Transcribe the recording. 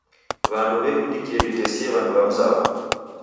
Wandu wikundikie witesie wandu wa mzawo.